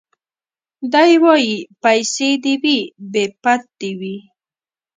دی وايي پيسې دي وي بې پت دي وي